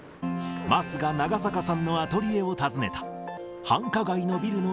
桝が長坂さんのアトリエを訪ねた。